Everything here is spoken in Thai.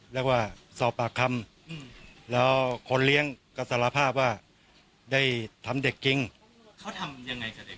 แล้วก็สอบปากคำแล้วคนเลี้ยงก็สารภาพว่าได้ทำเด็กจริงเขาทำยังไงกับเด็ก